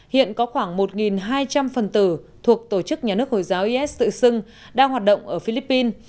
hiện có khoảng một hai trăm linh phần tử thuộc tổ chức nhà nước hồi giáo is tự xưng đang hoạt động ở philippines